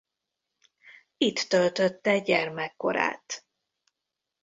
Itt töltötte gyermekkorát.